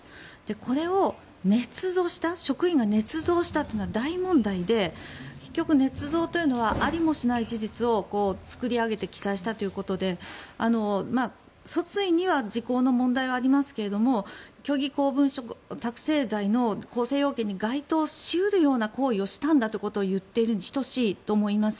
これを職員がねつ造したというのは大問題で結局、ねつ造というのはありもしない事実を作り上げて記載したということで訴追には時効の問題がありますが虚偽公文書作成罪に該当し得るような行為をしたんだということを言っているに等しいと思います。